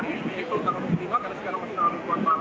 begitu laporan dari natal dari new york saya kembalikan ke nasional